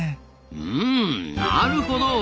うんなるほど。